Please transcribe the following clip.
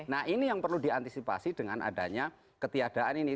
nah ini yang perlu diantisipasi dengan adanya ketiadaan ini